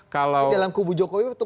kalau dalam kubu jokowi atau